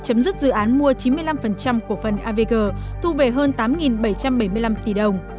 chấm dứt dự án mua chín mươi năm cổ phần avg thu về hơn tám bảy trăm bảy mươi năm tỷ đồng